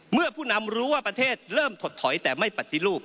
ผู้นำรู้ว่าประเทศเริ่มถดถอยแต่ไม่ปฏิรูป